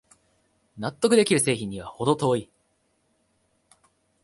納得できる製品にはほど遠い